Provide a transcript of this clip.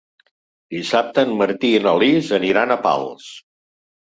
Dissabte en Martí i na Lis aniran a Pals.